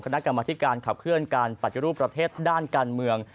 คณะกรรมธิการขับเคลื่อนการปฏิรูปประเทศด้านการเมือง